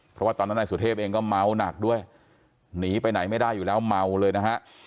เพราะว่าตอนนั้นนายสุเทพเองก็เมาหนักด้วยหนีไปไหนไม่ได้อยู่แล้วเมาเลยนะฮะ